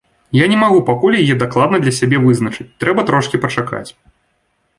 Я не магу пакуль яе дакладна для сябе вызначыць, трэба трошкі пачакаць.